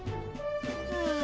うん。